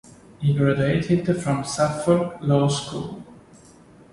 He graduated from Suffolk Law School.